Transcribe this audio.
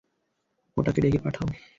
ওটাকে ডেকে পাঠাও।